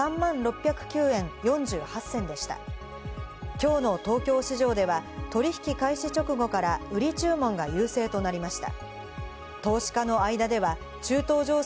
きょうの東京市場では取引開始直後から売り注文が優勢となりました。